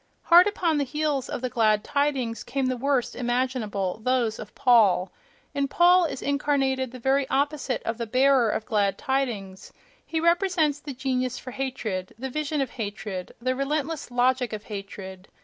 —Hard upon the heels of the "glad tidings" came the worst imaginable: those of Paul. In Paul is incarnated the very opposite of the "bearer of glad tidings"; he represents the genius for hatred, the vision of hatred, the relentless logic of hatred.